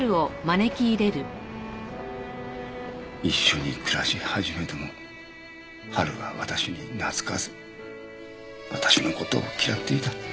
一緒に暮らし始めてもハルは私に懐かず私の事を嫌っていた。